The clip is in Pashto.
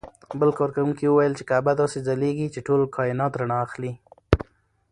بل کاروونکي وویل چې کعبه داسې ځلېږي چې ټول کاینات رڼا اخلي.